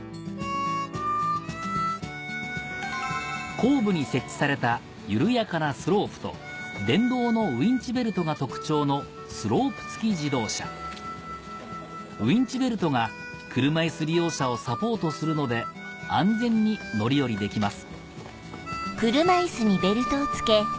後部に設置された緩やかなスロープと電動のウインチベルトが特徴のウインチベルトが車いす利用者をサポートするので安全に乗り降りできます